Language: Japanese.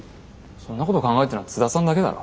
そんなこと考えてるのは津田さんだけだろ。